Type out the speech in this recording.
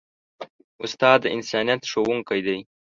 استاد د انسانیت ښوونکی دی.